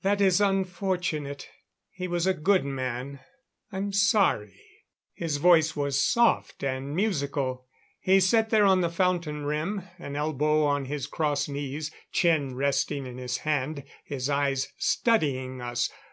"That is unfortunate. He was a good man. I'm sorry." His voice was soft and musical. He sat there on the fountain rim, an elbow on his crossed knees, chin resting in his hand, his eyes studying us.